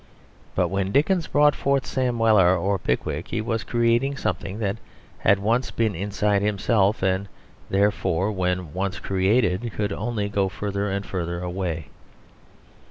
But when Dickens brought forth Sam Weller or Pickwick he was creating something that had once been inside himself and therefore when once created could only go further and further away.